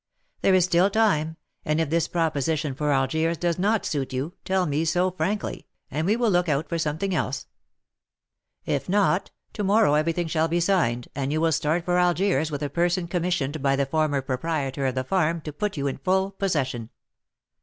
There is still time, and, if this proposition for Algiers does not suit you, tell me so frankly, and we will look out for something else; if not, to morrow everything shall be signed, and you will start for Algiers with a person commissioned by the former proprietor of the farm to put you in full possession.